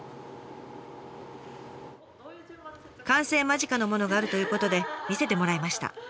完成間近のものがあるということで見せてもらいました。